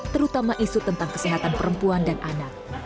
terutama isu tentang kesehatan perempuan dan anak